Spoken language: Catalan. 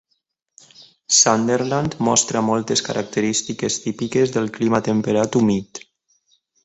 Sunderland mostra moltes característiques típiques del clima temperat humit.